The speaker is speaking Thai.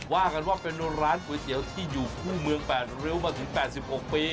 ว่ากันว่าเป็นร้านก๋วยเตี๋ยวที่อยู่คู่เมือง๘ริ้วมาถึง๘๖ปี